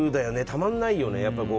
たまんないよね。